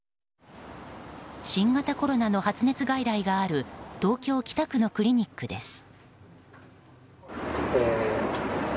新型コロナの発熱外来がある東京・北区のクリニックです。